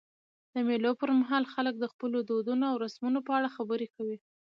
د مېلو پر مهال خلک د خپلو دودونو او رسمونو په اړه خبري کوي.